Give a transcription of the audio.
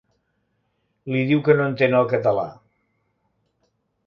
Li diu que no entén el català.